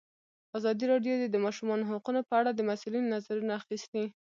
ازادي راډیو د د ماشومانو حقونه په اړه د مسؤلینو نظرونه اخیستي.